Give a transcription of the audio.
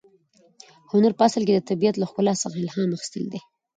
هنر په اصل کې د طبیعت له ښکلا څخه الهام اخیستل دي.